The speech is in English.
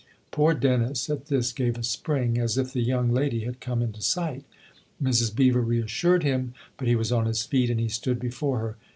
Poor Dennis, at this, guve a spring, as if the young lady had come into sight. Mrs. Beever reassured him, but he was on his feet and he stood before her.